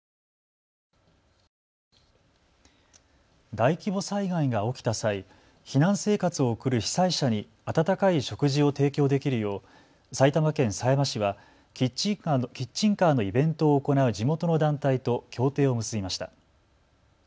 大規模災害が起きた際、避難生活を送る被災者に温かい食事を提供できるよう埼玉県狭山市はキッチンカーのイベントを行う地元の団体と協定を結びました。